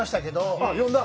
あっ読んだ？